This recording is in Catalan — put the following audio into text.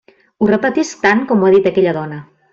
Ho repetisc tal com m'ho ha dit aquella dona.